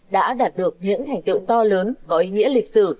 đã đạt được những thành tựu to lớn có ý nghĩa lịch sử